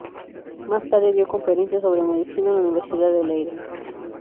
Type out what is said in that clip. Más tarde, dio conferencias sobre medicina en la Universidad de Leiden.